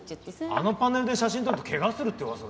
あのパネルで写真撮ると怪我するって噂だよ。